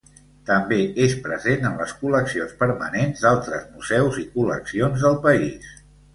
També és present en les col·leccions permanents d'altres museus i col·leccions del país.